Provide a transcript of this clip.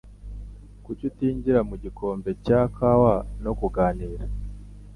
Kuki utinjira mu gikombe cya kawa no kuganira?